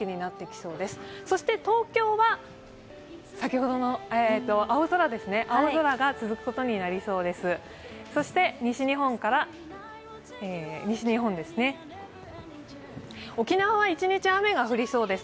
そして東京は先ほどの青空が続くことになりそうです。